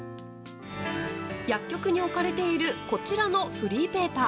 薬局に置かれているこちらのフリーペーパー。